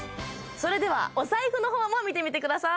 それではお財布の方も見てみてください